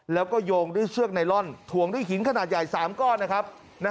แล้วก็โยงด้วยเชือกไนลอนถวงด้วยหินขนาดใหญ่๓ก้อนนะครับ